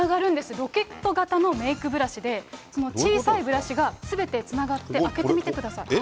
ロケット型のメイクブラシで、小さいブラシがすべてつながって、開けてみてください。